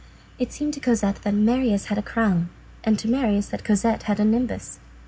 It seemed to Cosette that Marius had a crown, and to Marius that Cosette had a nimbus.